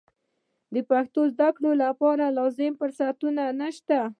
د پښتو د زده کړې لپاره لازم فرصتونه نشته.